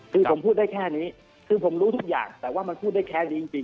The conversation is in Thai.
คือผมพูดได้แค่นี้คือผมรู้ทุกอย่างแต่ว่ามันพูดได้แค่นี้จริง